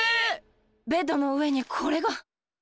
ベッドの上にこれが。